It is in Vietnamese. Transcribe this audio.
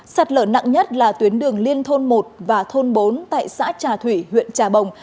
sạt lở nặng nhất là tuyến đường liên thôn một và thôn bốn tại xã trà thủy huyện trà bồng